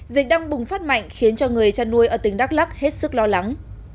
dịch đang bùng phát mạnh khiến cho người chăn nuôi ở tỉnh đắk lắc hết sức lo lắng